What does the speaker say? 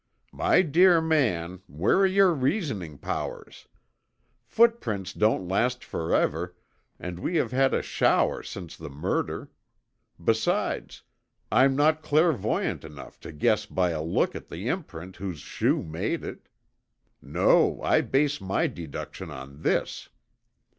"My dear man, where are your reasoning powers? Footprints don't last forever and we have had a shower since the murder. Besides I'm not clairvoyant enough to guess by a look at the imprint whose shoe made it. No, I base my deduction on this."